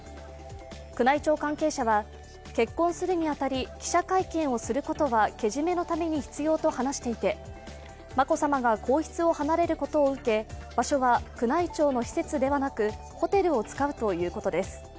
宮内庁関係者は、結婚するに当たり記者会見をすることはけじめのために必要と話していて、眞子さまが皇室を離れることを受け場所は宮内庁の施設ではなくホテルを使うということです。